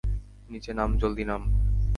নিচে নাম, জলদি নাম।